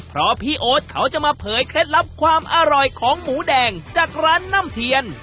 เพราะพี่โอ๊ตเขาจะมาเผยเคล็ดลับความอร่อยของหมูแดงจากร้านน่ำเทียน